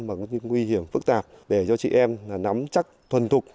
và có những nguy hiểm phức tạp để cho chị em nắm chắc thuần thục